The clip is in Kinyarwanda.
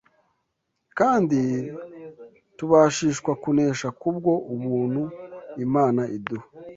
kandi tubashishwa kunesha kubwo ubuntu Imana iduha